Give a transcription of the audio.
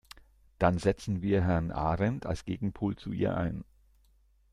Dann setzen wir Herrn Ahrendt als Gegenpol zu ihr ein.